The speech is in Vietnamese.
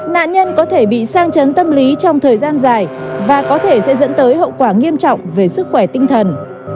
nạn nhân có thể bị sang chấn tâm lý trong thời gian dài và có thể sẽ dẫn tới hậu quả nghiêm trọng về sức khỏe tinh thần